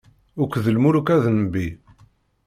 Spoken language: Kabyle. Akk d lmuluka d Nnbi.